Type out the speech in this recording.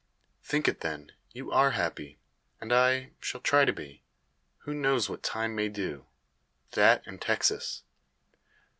"Think it, then. You are happy, and I shall try to be. Who knows what time may do that and Texas?